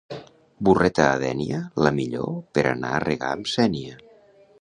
Burreta de Dénia, la millor per a regar amb sénia.